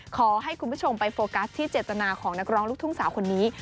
ขอให้คุณผู้ชมไปโฟกัสที่เจตนาของนักร้องลูกทุ่งสาวคนนี้